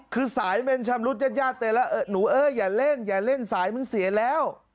คือสายเมนชำรุดยัดเตรียดแล้วหนูเอ้ยอย่าเล่นอย่าเล่นสายมึงเสียแล้ว